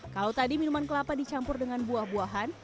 kalau tadi minuman kelapa dicampur dengan buah buahan